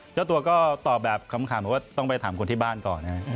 เจ้าตัวก็ตอบแบบขำบอกว่าต้องไปถามคนที่บ้านก่อน